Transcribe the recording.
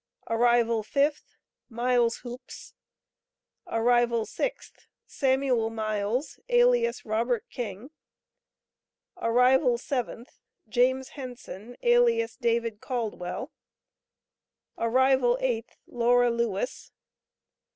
Arrival 5th. Miles Hoopes. Arrival 6th. Samuel Miles, alias Robert King. Arrival 7th. James Henson, alias David Caldwell. Arrival 8th. Laura Lewis.